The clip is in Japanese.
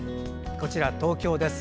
こちら、東京です。